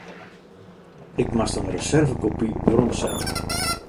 Ik moast in reservekopy weromsette.